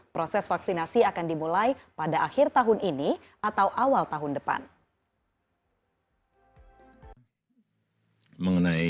proses vaksinasi akan dimulai pada akhir tahun ini atau awal tahun depan